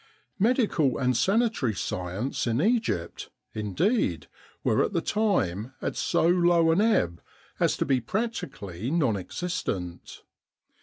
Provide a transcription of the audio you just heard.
'* Medical and sanitary science in Egypt, indeed, were at the time at so low an ebb as to be practically non existent.